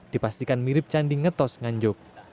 dipastikan mirip candi ngetos nganjuk